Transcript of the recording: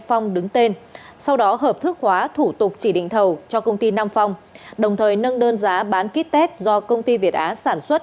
phong đứng tên sau đó hợp thức hóa thủ tục chỉ định thầu cho công ty nam phong đồng thời nâng đơn giá bán ký test do công ty việt á sản xuất